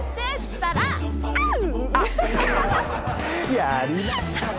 やりましたね！